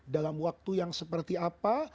dalam waktu yang seperti apa